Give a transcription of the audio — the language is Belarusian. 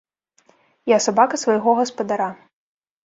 Я сабака свайго гаспадара.